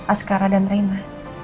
askara dan reina